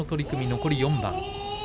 残り４番。